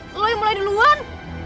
lo yang mulai duluan